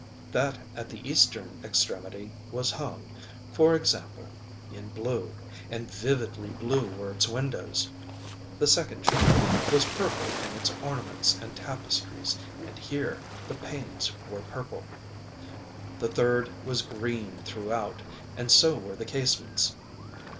That at the eastern extremity was hung, for example, in blueŌĆöand vividly blue were its windows. The second chamber was purple in its ornaments and tapestries, and here the panes were purple. The third was green throughout, and so were the casements.